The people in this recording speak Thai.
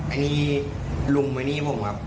อันนี้ลุงไว้นี่ผมครับ